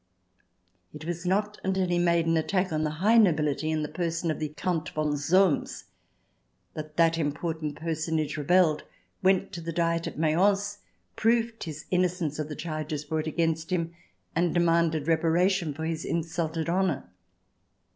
It was not until he made an attack on the high nobility in the person of the Count von Solms, 156 THE DESIRABLE ALIEN [ch. xi that that important personage rebelled, went to the Diet at Mayence, proved his innocence of the charges brought against him, and demanded repara tion for his insulted honour.